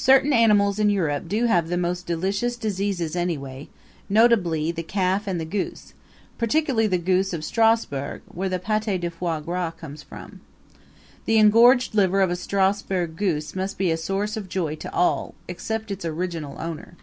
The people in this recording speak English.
Certain animals in Europe do have the most delicious diseases anyway notably the calf and the goose, particularly the goose of Strasburg, where the pate de foie gras comes from. The engorged liver of a Strasburg goose must be a source of joy to all except its original owner!